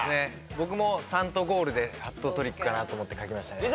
僕も「３」と「ごーる」でハットトリックかなと思って書きましたね。